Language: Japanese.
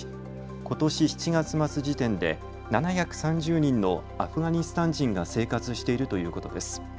ことし７月末時点で７３０人のアフガニスタン人が生活しているということです。